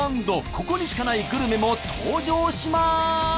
ここにしかないグルメも登場します。